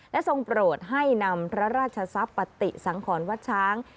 และทรงโปรดให้นำพระราชทรัพย์ปฏิสังขรวัดช้าง